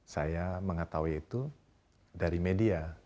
saya mengetahui itu dari media